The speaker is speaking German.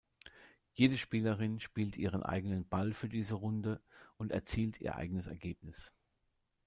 Jede Spielerin spielt ihren eigenen Ball für diese Runde und erzielt ihr eigenes Ergebnis.